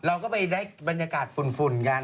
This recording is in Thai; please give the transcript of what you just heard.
เราก็ไปได้บรรยากาศฝุ่นกัน